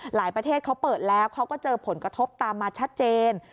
ประเทศเขาเปิดแล้วเขาก็เจอผลกระทบตามมาชัดเจน